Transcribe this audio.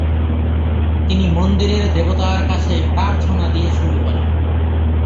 তিনি মন্দিরের দেবতার কাছে প্রার্থনা দিয়ে শুরু করেন।